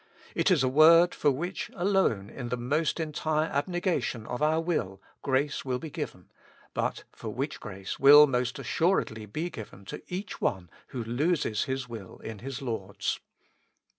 It is a word for which alone in the most entire abnegation of our will grace will be given, but for which grace will most assuredly be given to 223 With Christ in the School of Prayer. each one who loses his will in his Lord's.